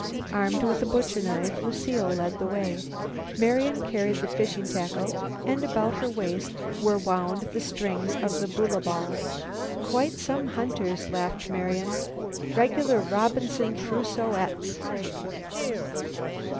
Armed with the butcher knife, Lucile led the way. Marian carried the fishing tackle, and about her waist were wound the strings of the boola ball. "Quite some hunters," laughed Marian. "Regular Robinson Crusoettes!"